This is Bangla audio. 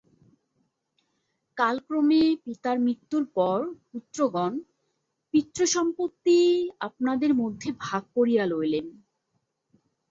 কালক্রমে পিতার মৃত্যুর পর পুত্রগণ পিতৃ-সম্পত্তি আপনাদের মধ্যে ভাগ করিয়া লইলেন।